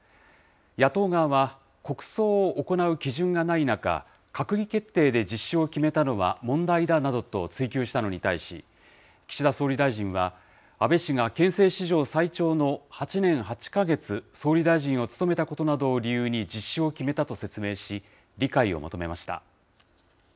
野党側は、国葬を行う基準がない中、閣議決定で実施を決めたのは問題だなどと追及したのに対し、岸田総理大臣は、安倍氏が憲政史上最長の８年８か月、総理大臣を務めたことなどを理由に実施を決めたと説明し、理解を求めました。